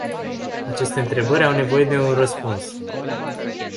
Aceste întrebări au nevoie de un răspuns.